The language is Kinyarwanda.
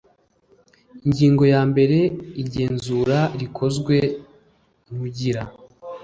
Ingingo yambere Igenzura rikozwe n ugira